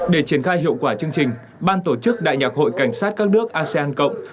để triển khai hiệu quả chương trình ban tổ chức đại nhạc hội cảnh sát các nước asean cộng